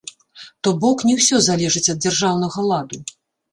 То бок, не ўсё залежыць ад дзяржаўнага ладу.